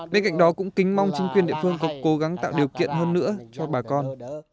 bên cạnh đó cũng kính mong chính quyền địa phương có cố gắng tạo điều kiện hơn nữa cho bà con